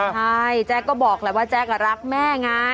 ใช่แจ๊กก็บอกแหละว่าแจ๊กรักแม่ไง